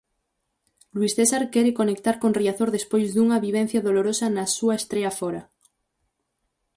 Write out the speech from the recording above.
Luís César quere conectar con Riazor despois dunha vivencia dolorosa na súa estrea fóra.